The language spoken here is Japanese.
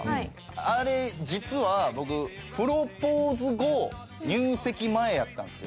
あれ実は僕プロポーズ後入籍前やったんですよ。